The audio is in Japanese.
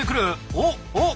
おっおっ！